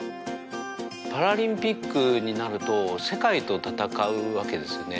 パラリンピックになると世界と戦うわけですよね